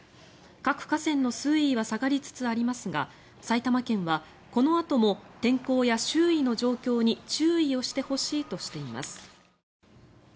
各河川の水位は下がりつつありますが埼玉県はこのあとも天候や周囲の状況に注意をしてほしいとしています。